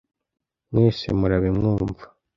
mwese murabe mwumva